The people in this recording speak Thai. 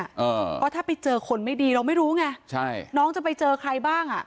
เพราะถ้าไปเจอคนไม่ดีเราไม่รู้ไงใช่น้องจะไปเจอใครบ้างอ่ะ